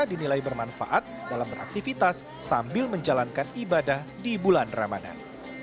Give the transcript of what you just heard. dinilai bermanfaat dalam beraktivitas sambil menjalankan ibadah di bulan ramadan